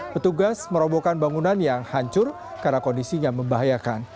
petugas merobohkan bangunan yang hancur karena kondisinya membahayakan